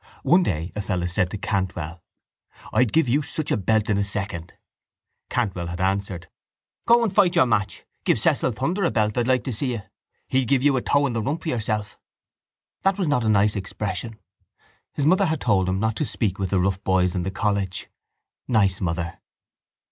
One day a fellow said to Cantwell: —I'd give you such a belt in a second. Cantwell had answered: —Go and fight your match. Give Cecil Thunder a belt. I'd like to see you. He'd give you a toe in the rump for yourself. That was not a nice expression. His mother had told him not to speak with the rough boys in the college. Nice mother!